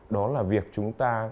đó là việc chúng ta